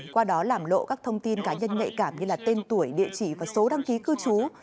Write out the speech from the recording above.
qua đó làm lộ các thông tin cá nhân nhạy cảm như tên tuổi địa chỉ và số đăng ký cư trú